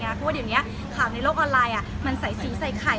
เพราะว่าเดี๋ยวนี้ข่าวในโลกออนไลน์มันใส่สีใส่ไข่